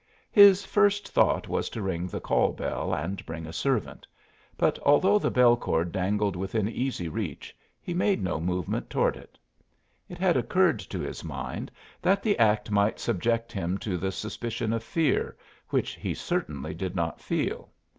His first thought was to ring the call bell and bring a servant; but although the bell cord dangled within easy reach he made no movement toward it; it had occurred to his mind that the act might subject him to the suspicion of fear, which he certainly did not feel.